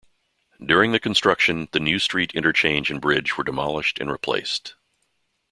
During the construction, the New Street interchange and bridge were demolished and replaced.